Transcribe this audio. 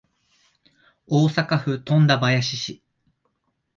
大阪府富田林市